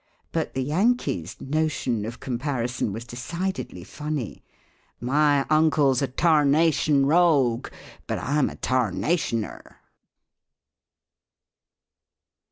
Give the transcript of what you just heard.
but the Yankee's "no tion" of comparison was decidedly funny ;" My uncle's a tarnation rogue ; but I'm a tarnationer."